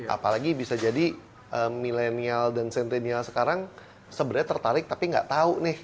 apalagi bisa jadi milenial dan sentenial sekarang sebenarnya tertarik tapi nggak tahu nih